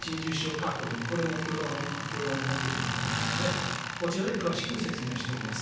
かっこ２、これも教団のホームページに載っておりますので、こちらで詳しく説明しております。